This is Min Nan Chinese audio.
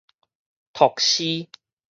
讀詩